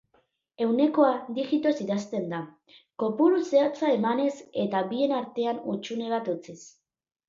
Ehunekoa digitoz idazten da, kopuru zehatza emanez eta bien artean hutsune bat utziz.